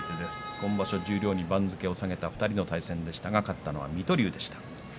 今場所十両に番付を下げた２人の対戦でしたが勝ったのは水戸龍でした。